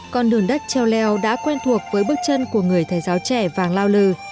con đường đất treo leo đã quen thuộc với bước chân của người thầy giáo trẻ vàng lao lư